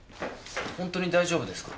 ホントに大丈夫ですか？